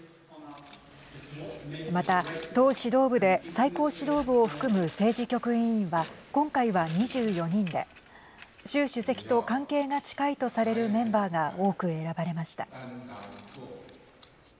また、党指導部で最高指導部を含む政治局委員は今回は２４人で習主席と関係が近いとされるメンバーが多く選ばれました。